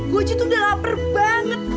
gue aja tuh udah lapar banget